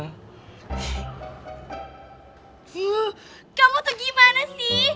kamu tuh gimana sih